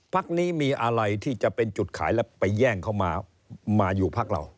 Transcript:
พักนี้มีอะไรที่จะเป็นจุดขายแล้วไปแย่งเข้ามามาอยู่พักเรา